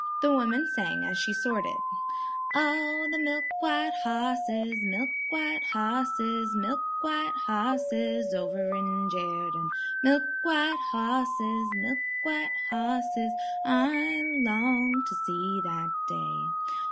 The woman sang as she sorted: "Oh, the milk white hosses, milk white hosses, Milk white hosses over in Jerden, Milk white hosses, milk white hosses, I long to see that day.